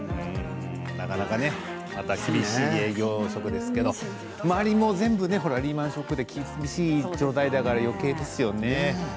なかなかねまた厳しい営業職ですけど周りも全部、リーマンショックで厳しい状態だからよけいですよね。